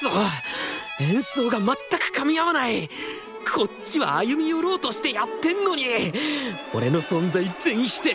こっちは歩み寄ろうとしてやってんのに俺の存在全否定！